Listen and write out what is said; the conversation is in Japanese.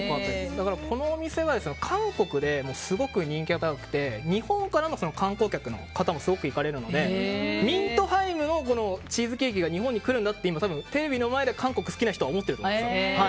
このお店は韓国ですごく人気が高くて日本からの観光客の方も行かれるので、ミントハイムのチーズケーキが日本に来るんだって韓国好きな人は思ってると思います。